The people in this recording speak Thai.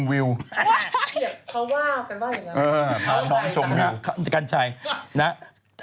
เขาว่ากันว่าอย่างงั้น